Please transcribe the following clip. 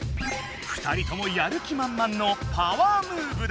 ２人ともやる気まんまんのパワームーブだ。